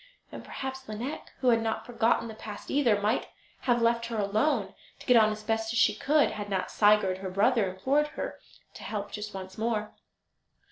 And perhaps Lineik, who had not forgotten the past either, might have left her alone, to get on as best she could, had not Sigurd, her brother, implored her to help just once more.